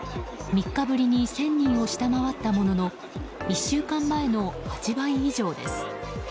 ３日ぶりに１０００人を下回ったものの１週間前の８倍以上です。